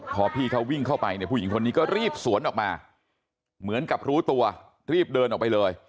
พอพี่เขาวิ่งเข้าไปเนี่ยผู้หญิงคนนี้ก็รีบสวนออกมาเหมือนกับรู้ตัวรีบเดินออกไปเลย